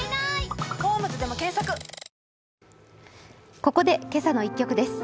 ここで「けさの１曲」です。